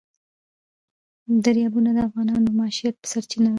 دریابونه د افغانانو د معیشت سرچینه ده.